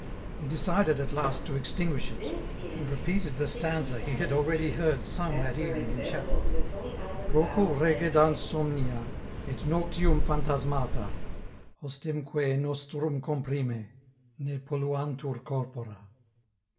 He decided at last to extinguish it, and repeated the stanza he had already heard sung that evening in chapel : Procul recedant somnia Et noctium phantasmata, Hostemque nostrum comprime, Ne poUuantur corpora.